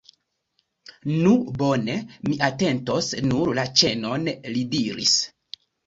Nu bone, mi atentos nur la ĉenon, li diris.